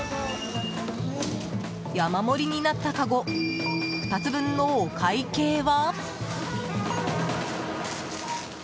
山盛りになったかご２つ分のお会計は？